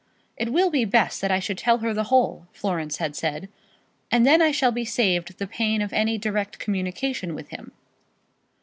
"It will be best that I should tell her the whole," Florence had said, "and then I shall be saved the pain of any direct communication with him."